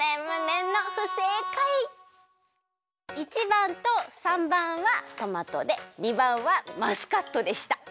１ばんと３ばんはトマトで２ばんはマスカットでした。